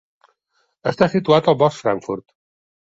Està situat al bosc Frankfurt.